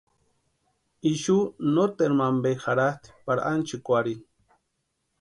Ixu noteru mampe jarhatʼi pari ánchikwarhini.